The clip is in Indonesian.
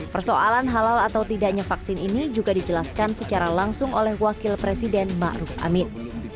persoalan halal atau tidaknya vaksin ini juga dijelaskan secara langsung oleh wakil presiden ma'ruf ahmad